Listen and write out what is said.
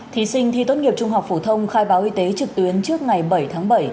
thí sinh thi tốt nghiệp trung học phổ thông khai báo y tế trực tuyến trước ngày bảy tháng bảy